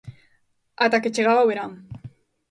Ata que chegaba o verán.